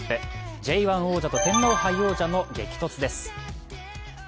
Ｊ１王者と天皇杯王者の激突です。